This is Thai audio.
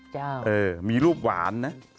เออมีรูปหวานนะ